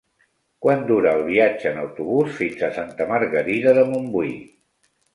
Quant dura el viatge en autobús fins a Santa Margarida de Montbui?